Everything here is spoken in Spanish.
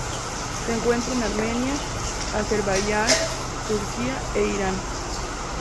Se encuentra en Armenia, Azerbaiyán, Turquía e Irán.